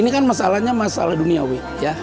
ini kan masalahnya masalah duniawi